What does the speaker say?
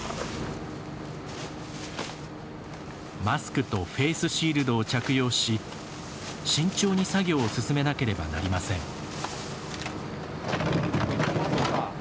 マスクとフェースシールドを着用し慎重に作業を進めなければなりません。